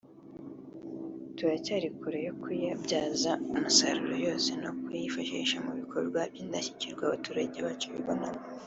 turacyari kure yo kuyabyaza umusaruro yose no kuyifashisha mu bikorwa by’indashyikirwa abaturage bacu bibonamo